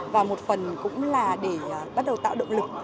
và một phần cũng là để bắt đầu tạo động lực